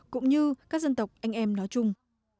cũng như các dân tộc anh em nói chung